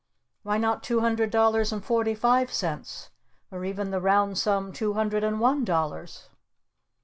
Why not two hundred dollars and forty five cents? Or even the round sum two hundred and one dollars?"